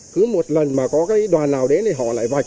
cứ một lần mà có cái đoàn nào đến thì họ lại vạch